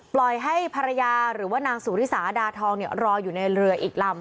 ปล่อยให้ภรรยาหรือว่านางสุริสาดาทองรออยู่ในเรืออีกลำ